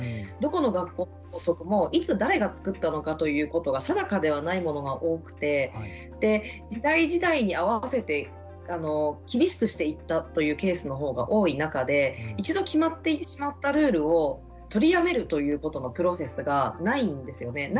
どこの学校の校則もいつ誰が作ったのかということが定かではないものが多くてで時代時代に合わせて厳しくしていったというケースの方が多い中で一度決まってしまったルールを取りやめるということのプロセスがないんですよね。